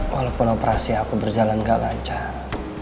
walaupun operasi aku berjalan gak lancar